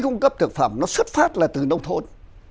cung cấp thực phẩm nó xuất phát là từ nông thôn